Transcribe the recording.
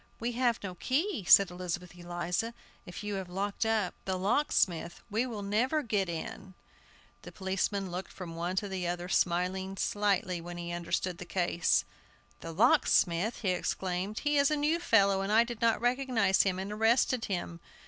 "We have no key!" said Elizabeth Eliza; "if you have locked up the locksmith we can never get in." The policeman looked from one to the other, smiling slightly when he understood the case. "The locksmith!" he exclaimed; "he is a new fellow, and I did not recognize him, and arrested him!